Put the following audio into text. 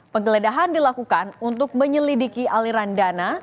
penggeledahan dilakukan untuk menyelidiki aliran dana